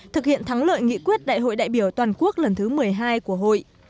thực hiện thắng lợi nghị quyết đại hội đại biểu toàn quốc lần thứ một mươi hai của hội